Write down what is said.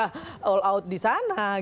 karena mereka sudah all out di sana